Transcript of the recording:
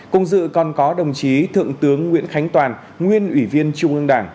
cùng dự còn có đồng chí thượng tướng nguyễn khánh toàn nguyên ủy viên trung ương đảng